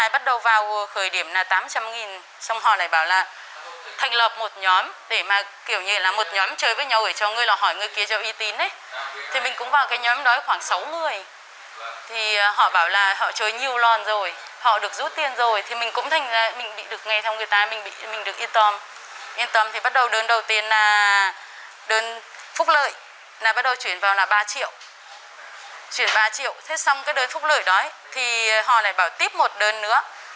bắt đầu chuyển vào là ba triệu chuyển ba triệu thế xong cái đơn phúc lợi đó thì họ lại bảo tiếp một đơn nữa là đơn phúc lợi số hai là chuyển tiếp vào một mươi triệu